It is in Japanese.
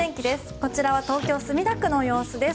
こちらは東京・墨田区の様子です。